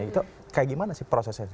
itu kayak gimana sih prosesnya